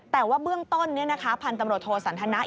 แต่ว่าเบื้องต้นพันธุ์ตำรวจโทสันทนะ